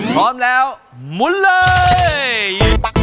พร้อมแล้วหมุนเลย